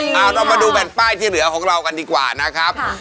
เอาเรามาดูแผ่นป้ายที่เหลือของเรากันดีกว่านะครับ